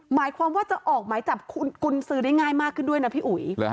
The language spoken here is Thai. หมายความว่าจะออกหมายจับกุญสือได้ง่ายมากขึ้นด้วยนะพี่อุ๋ย